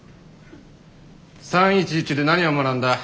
３．１１で何を学んだ？